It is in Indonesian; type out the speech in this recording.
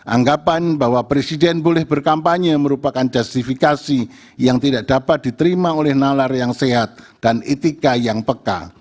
anggapan bahwa presiden boleh berkampanye merupakan justifikasi yang tidak dapat diterima oleh nalar yang sehat dan etika yang peka